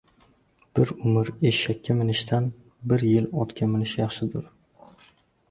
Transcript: • Bir umr eshakka minishdan bir yil otga minish yaxshidir.